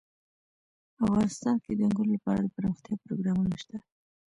افغانستان کې د انګور لپاره دپرمختیا پروګرامونه شته.